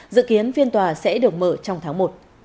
dự kiến phiên tòa sẽ được mở trong tháng một